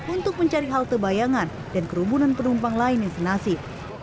untuk mencari halte bayangan dan kerumunan penumpang lain yang senasib